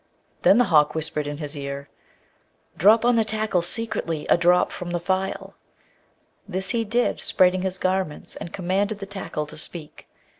Then the hawk whispered in his ear, 'Drop on the tackle secretly a drop from the phial.' This he did, spreading his garments, and commanded the tackle to speak.